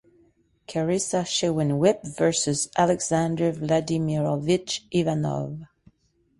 Carissa Shiwen Yip vs Alexander Vladimirovich Ivanov.